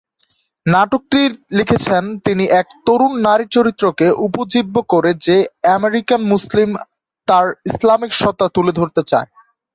নাটকটি লিখেছেন তিনি এক তরুণ নারী চরিত্রকে উপজীব্য করে যে আমেরিকান মুসলিম তার ইসলামিক সত্ত্বা তুলে ধরতে চায়।